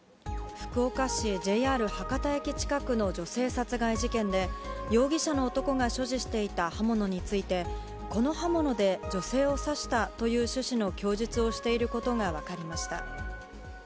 福岡市のＪＲ博多駅近くの女性殺害事件で、容疑者の男が所持していた刃物について、この刃物で女性を刺したという趣旨の供述をしていることが分かりました。